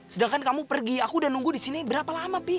sedangkan kamu pergi aku udah nunggu di sini berapa lama pi